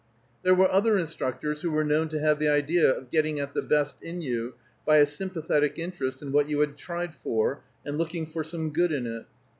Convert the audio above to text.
There were other instructors who were known to have the idea of getting at the best in you by a sympathetic interest in what you had tried for, and looking for some good in it.